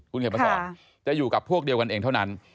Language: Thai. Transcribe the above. คุณเขียนมาสอนจะอยู่กับพวกเดียวกันเองเท่านั้น